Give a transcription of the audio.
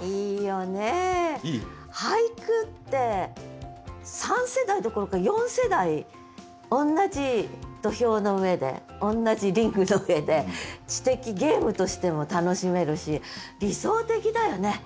俳句って３世代どころか４世代同じ土俵の上で同じリングの上で知的ゲームとしても楽しめるし理想的だよね